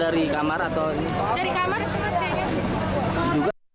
dari kamar semua sepertinya